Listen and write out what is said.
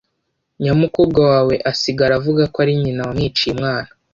Nyamukobwa wawe asigara avuga ko ari nyina wamwiciye umwana.